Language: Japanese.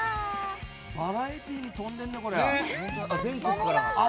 バラエティーに富んでるね、これ。